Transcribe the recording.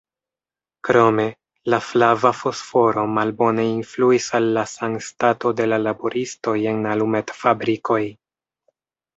Krome, la flava fosforo malbone influis al la sanstato de la laboristoj en alumetfabrikoj.